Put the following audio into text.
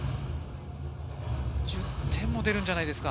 １０点も出るんじゃないですか。